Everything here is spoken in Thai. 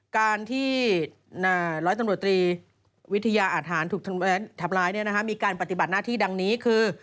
การที่ร้อยตำรวจตรีวิทยาอาทหารถูกทำร้ายมีการปฏิบัติหน้าที่ดังนี้คือ